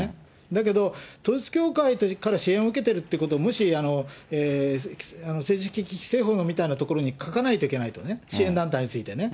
だけど、統一教会から支援を受けているということをもし政治資金規正法みたいなところに書かないといけないとね、支援団体についてね。